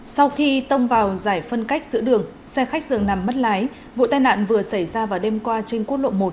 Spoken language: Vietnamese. sau khi tông vào giải phân cách giữa đường xe khách dường nằm mất lái vụ tai nạn vừa xảy ra vào đêm qua trên quốc lộ một